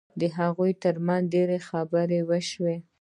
د هغوی ترمنځ ډېرې خبرې وشوې